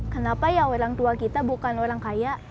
kenapa ya orang tua kita bukan orang kaya